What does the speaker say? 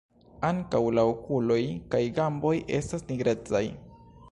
Ankaŭ la okuloj kaj gamboj estas nigrecaj.